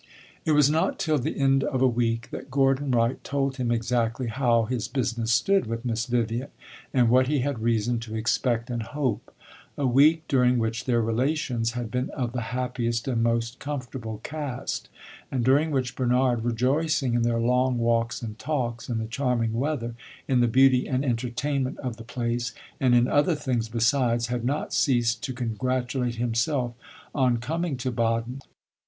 It was not till the end of a week that Gordon Wright told him exactly how his business stood with Miss Vivian and what he had reason to expect and hope a week during which their relations had been of the happiest and most comfortable cast, and during which Bernard, rejoicing in their long walks and talks, in the charming weather, in the beauty and entertainment of the place, and in other things besides, had not ceased to congratulate himself on coming to Baden.